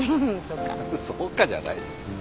「そうか」じゃないですよ。